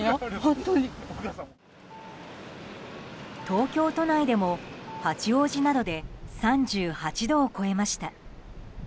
東京都内でも八王子などで３８度を超えました。